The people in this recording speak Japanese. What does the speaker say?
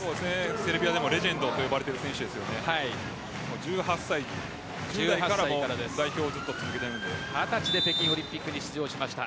セルビアでもレジェンドと呼ばれている１８歳から代表を続けているので二十歳で北京オリンピックに出場しました。